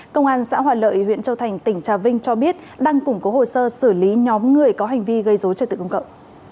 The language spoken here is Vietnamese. công an xã hòa lợi huyện châu thành tỉnh trà vinh cho biết đang củng cố hồ sơ xử lý nhóm người có hành vi gây dối trật tự công cộng